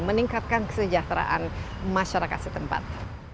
meningkatkan kesejahteraan masyarakat setempat